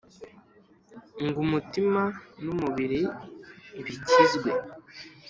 Ng' umutima n'umubiri bikizwe.